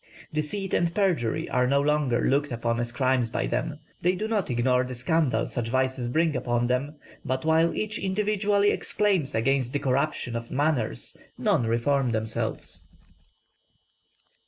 Deceit and perjury are no longer looked upon as crimes by them; they do not ignore the scandal such vices bring upon them; but while each individually exclaims against the corruption of manners, none reform themselves."